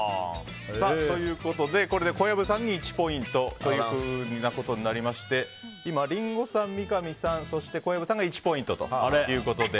ということで小籔さんに１ポイントとなりまして今、リンゴさん、三上さんそして小籔さんが１ポイントということで。